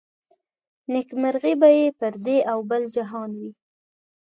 نيکمرغي به يې پر دې او بل جهان وي